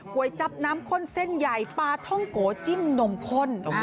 ๋ยจับน้ำข้นเส้นใหญ่ปลาท่องโกจิ้มนมข้น